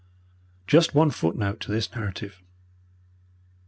Just one footnote to this narrative.